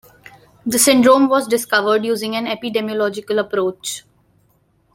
The syndrome was discovered using an epidemiological approach.